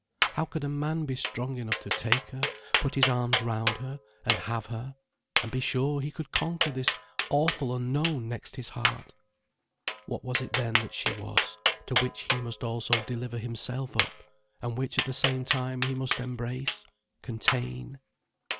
How could a man be strong enough to take her, put his arms round her and have her, and be sure he could conquer this awful unknown next his heart? What was it then that she was, to which he must also deliver himself up, and which at the same time he must embrace, contain?